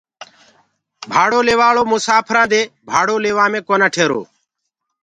ڀاڙو ليوآݪو مساڦرانٚ دي ڀاڙو ليوآ مي ڪونآ ٺيرو